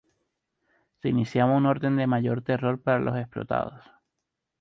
Se iniciaba un orden de mayor terror para los explotados.